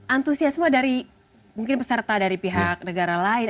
antusiasme dari mungkin peserta dari pihak negara lain